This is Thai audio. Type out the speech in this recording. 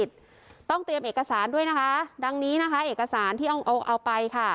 ต้องเตรียมเอกสารด้วยนะคะดังนี้นะคะเอกสารที่ต้องเอาเอาไปค่ะ